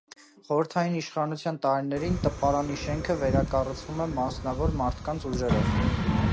Խորհրդայաին իշխանության տարիներին տպարանի շենքը վերակառուցվում է մասնավոր մարդկանց ուժերով։